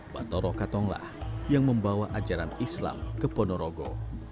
batoro katonglah yang membawa ajaran islam ke ponorogo